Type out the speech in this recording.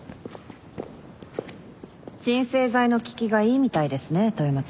鎮静剤の効きがいいみたいですね豊松議員。